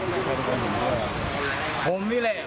ไปโบกรถจักรยานยนต์ของชาวอายุขวบกว่าเองนะคะ